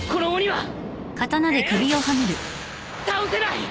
倒せない！